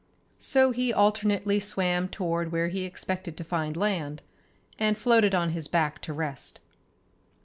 So he alternately swam toward where he expected to find land, and floated on his back to rest.